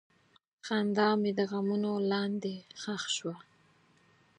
خندا مې د غمونو لاندې ښخ شوه.